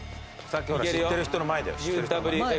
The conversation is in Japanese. さっきほら知ってる人の前だよ。